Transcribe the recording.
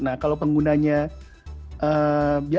nah kalau penggunanya biasa